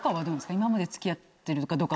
今まで付き合ってるとか。